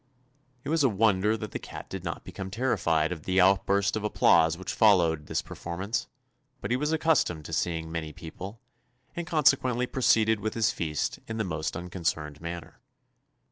It was a wonder that the cat did not become terrified at the outburst of ap plause which followed this perform ance, but he was accustomed to seeing many people, and consequently pro ceeded with his feast in the most un concerned manner.